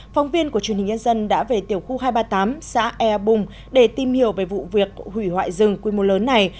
phóng viên của truyền hình nhân dân đã về tiểu khu hai trăm ba mươi tám xã ea bùng để tìm hiểu về vụ việc hủy hoại rừng quy mô lớn này